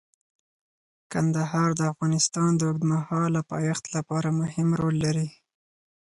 کندهار د افغانستان د اوږدمهاله پایښت لپاره مهم رول لري.